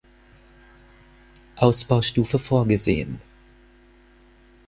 Ausbaustufe vorgesehen.